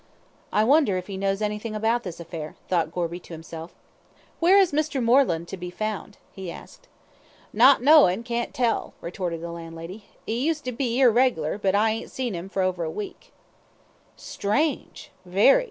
"I wonder if he knows anything about this affair," thought Gorby to himself "Where is Mr. Moreland to be found?" he asked. "Not knowin', can't tell," retorted the landlady, "'e used to be 'ere reg'lar, but I ain't seen 'im for over a week." "Strange! very!"